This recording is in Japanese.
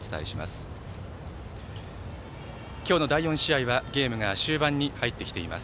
今日の第４試合はゲームが終盤に入ってきています。